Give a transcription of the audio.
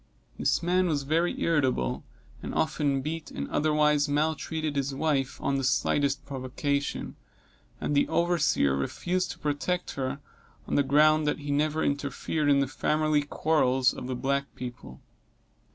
This man was very irritable, and often beat and otherwise maltreated his wife, on the slightest provocation, and the overseer refused to protect her, on the ground, that he never interfered in the family quarrels of the black people.